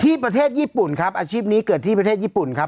ที่ประเทศญี่ปุ่นครับอาชีพนี้เกิดที่ประเทศญี่ปุ่นครับ